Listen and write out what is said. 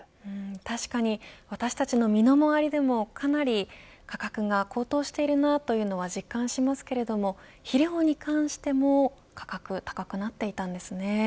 確かに私たちの身の回りでもかなり価格が高騰しているなというのは実感しますけれども肥料に関しても価格、高くなっていたんですね。